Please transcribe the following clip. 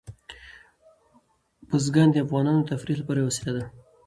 بزګان د افغانانو د تفریح لپاره یوه وسیله ده.